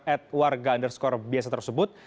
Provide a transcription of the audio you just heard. at warga underscore biasa tersebut